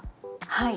はい。